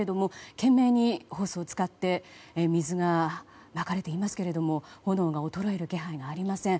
懸命にホースを使って水がまかれていますけれども炎が衰える気配はありません。